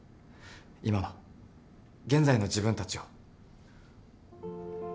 今の現在の自分たちを。